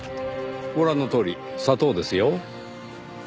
ご覧のとおり砂糖ですよ。